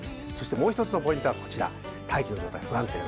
もう一つのポイントは大気の状態が不安定。